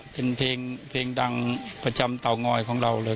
เป็นเพลงดังประจำเตางอยของเราเลย